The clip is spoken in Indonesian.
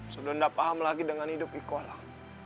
sudah tidak paham lagi dengan hidup kau alam